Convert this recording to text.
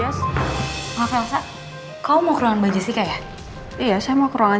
yes ngapain kak kamu mau kerongan baju sih kayak iya saya mau kerongan